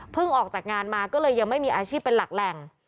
ออกจากงานมาก็เลยยังไม่มีอาชีพเป็นหลักแหล่ง